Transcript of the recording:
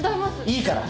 いいから！